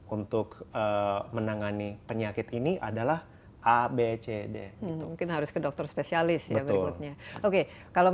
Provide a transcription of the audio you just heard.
untuk menangani penyakit ini adalah abcd mungkin harus ke dokter spesialis ya berikutnya oke kalau